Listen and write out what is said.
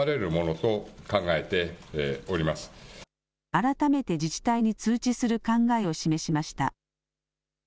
改めて自治体に通知する考えを示しました。